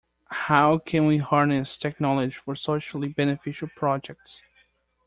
How can we harness technology for socially beneficial projects?